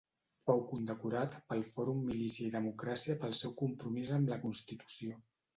Fou condecorat pel Fòrum Milícia i Democràcia pel seu compromís amb la Constitució.